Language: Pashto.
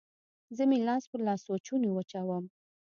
زه مې لاس په لاسوچوني وچوم